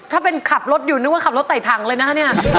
ถ้าเป็นขับรถอยู่นึกว่าขับรถไต่ถังเลยนะคะเนี่ย